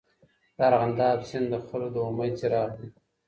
د ارغنداب سیند د خلکو د امید څراغ دی.